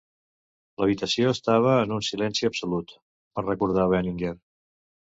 "L'habitació estava en un silenci absolut", va recordar Veninger.